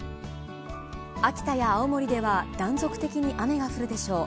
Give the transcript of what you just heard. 秋田や青森では断続的に雨が降るでしょう。